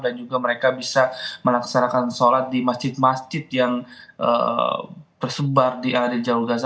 dan juga mereka bisa melaksanakan sholat di masjid masjid yang tersebar di jawa gaza